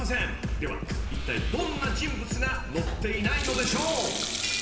［ではいったいどんな人物が乗っていないのでしょう］